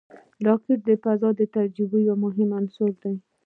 راکټ د فضا د تجربو یو مهم عنصر دی